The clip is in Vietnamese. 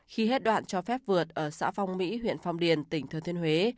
khi hết đoạn cho phép vượt ở xã phong mỹ huyện phong điền tỉnh thừa thiên huế